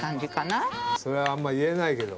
それはあんまり言えないけど。